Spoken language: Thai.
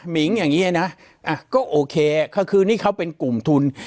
มิ้งค์อย่างเงี้ยนะอ่ะก็โอเคคือนี่เขาเป็นกลุ่มทุน